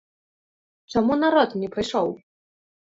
Чаму народ не прыйшоў?